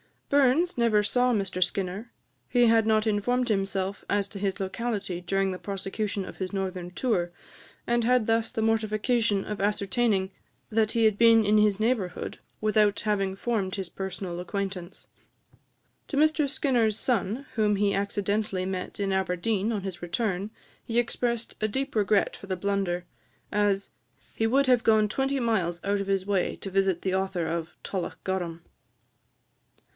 Burns never saw Mr Skinner; he had not informed himself as to his locality during the prosecution of his northern tour, and had thus the mortification of ascertaining that he had been in his neighbourhood, without having formed his personal acquaintance. To Mr Skinner's son, whom he accidentally met in Aberdeen on his return, he expressed a deep regret for the blunder, as "he would have gone twenty miles out of his way to visit the author of 'Tullochgorum.'"